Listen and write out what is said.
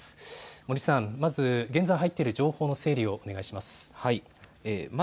森さん、まず現在入っている情報の整理をお願いします。